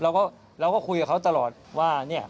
เราก็คุยกับเขาตลอดว่าเนี่ย